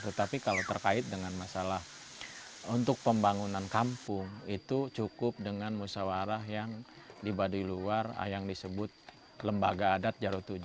tetapi kalau terkait dengan masalah untuk pembangunan kampung itu cukup dengan musawarah yang di baduy luar yang disebut lembaga adat jarut tujuh